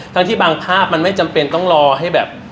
ทั้งที่บางภาพมันไม่จำเป็นต้องรอให้แบบ